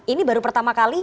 ini baru pertama kali